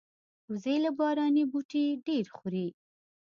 وزې له باراني بوټي ډېر خوري